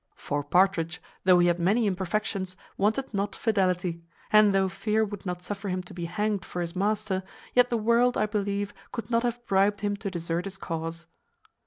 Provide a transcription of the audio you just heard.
For Partridge, though he had many imperfections, wanted not fidelity; and though fear would not suffer him to be hanged for his master, yet the world, I believe, could not have bribed him to desert his cause.